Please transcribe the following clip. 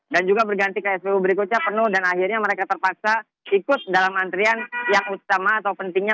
dan juga berganti ke spbu berikutnya penuh dan akhirnya mereka terpaksa ikut dalam antrian yang utama atau pentingnya